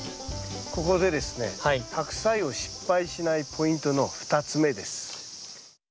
ここでですねハクサイを失敗しないポイントの２つ目です。